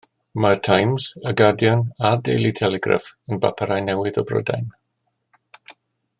Mae'r Times, y Guardian, a'r Daily Telegraph yn bapurau newydd o Brydain.